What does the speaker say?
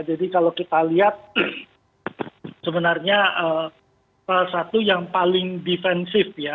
jadi kalau kita lihat sebenarnya salah satu yang paling defensif ya